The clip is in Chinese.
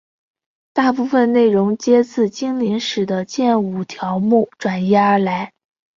大部分内容皆自精灵使的剑舞条目转移而来。